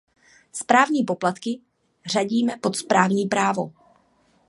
Správní poplatky řadíme pod správní právo.